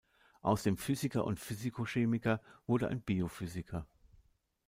Aus dem Physiker und Physikochemiker wurde ein Biophysiker.